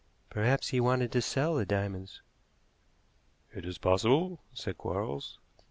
"Perhaps he wanted to sell the diamonds." "It is possible," said Quarles.